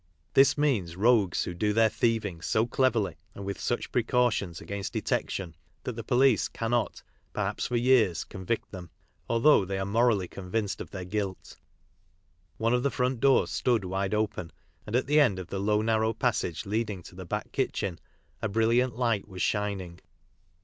This means rogues who do their thieving so cleverly and with such precautions against de tection, that the police cannot, perhaps for years, convict them, although they are morally convinced of their guilt. One of the front doors stood wide open, and at the end of the low narrow passage leading to the back kitchen a brilliant light was shining.